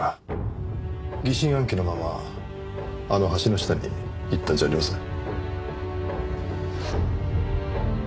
疑心暗鬼のままあの橋の下に行ったんじゃありません？